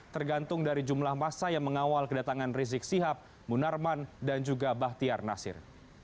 tergantung dari jumlah masa yang mengawal kedatangan rizik sihab munarman dan juga bahtiar nasir